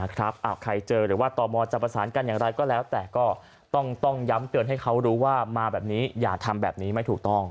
ใครเจอหรือว่าตมจะประสานกันอย่างไรก็แล้วแต่ก็ต้องย้ำเตือนให้เขารู้ว่ามาแบบนี้อย่าทำแบบนี้ไม่ถูกต้อง